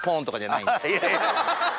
いやいや。